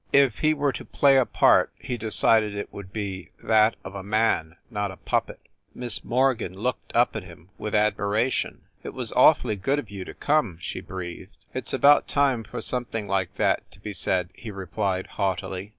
If he were to play a part he decided it would be that of a man, not a puppet. Miss Morgan looked up at him with admiration. "It was awfully good of you to come!" she breathed. "It s about time for something like that to be said," he replied, haughtily.